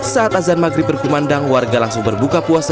saat azan maghrib berkumandang warga langsung berbuka puasa